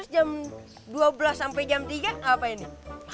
jam dua belas sampai jam tiga apa ini